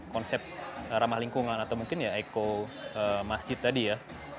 konsep ramah lingkungan atau mungkin ya eko masjid tadi ya